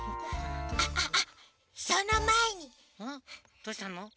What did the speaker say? どうしたの？